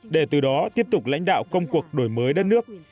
để từ đó tiếp tục lãnh đạo công cuộc đổi mới đất nước